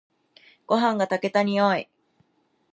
ごはんが炊けた匂い。